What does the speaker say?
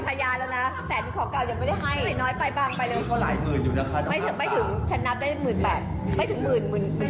ไม่ถึงหมื่น